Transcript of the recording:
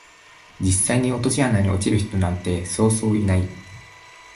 実際に落とし穴に落ちる人なんてそうそういない